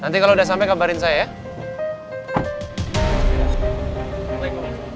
nanti kalau udah sampe kabarin saya ya